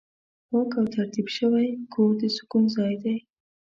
پاک او ترتیب شوی کور د سکون ځای دی.